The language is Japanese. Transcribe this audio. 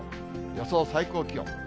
予想最高気温。